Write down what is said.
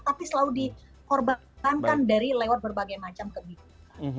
tapi selalu dikorbankan dari lewat berbagai macam kebijakan